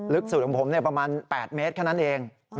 ลึกสูตรของผมเนี่ยประมาณ๘เมตรแค่นั้นเอง